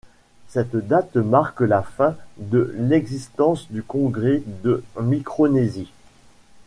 Cette date marque la fin de l'existence du Congrès de Micronésie.